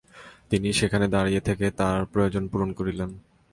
তিনি সেখানে দাঁড়িয়ে থেকে তার প্রয়োজন পূরণ করলেন।